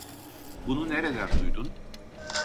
Bunu nereden duydun?